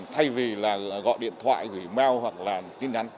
thay vì là gọi điện thoại gửi mail hoặc là tin nhắn